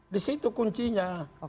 di situ kuncinya